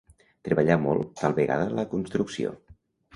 Treballar molt, tal vegada a la construcció.